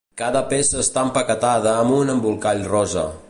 Cada peça està empaquetada amb un embolcall rosa.